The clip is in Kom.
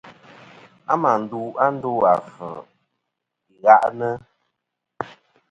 A mà ndu a ndo afvɨ i ghaʼnɨ.